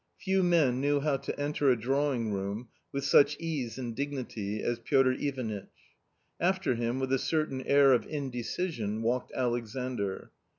Few men knew how to enter a drawing room with such ease and dignity as Piotr Ivanitch. After him, with a certain air of indecision, walked Alexandr.